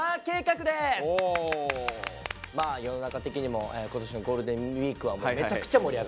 まあ世の中的にも今年のゴールデンウイークはめちゃくちゃ盛り上がりましたから。